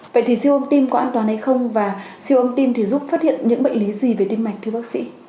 vậy thì siêu âm tim có an toàn hay không và siêu âm tim thì giúp phát hiện những bệnh lý gì về tim mạch thưa bác sĩ